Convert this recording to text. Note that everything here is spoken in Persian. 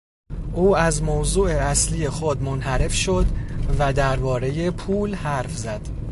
او از موضوع اصلی خود منحرف شد و دربارهی پول حرف زد.